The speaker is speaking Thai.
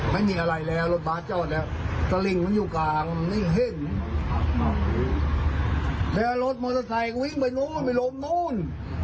มีรถมอเตอร์ไตก็วิ่งไปนู่นไปลบนู่น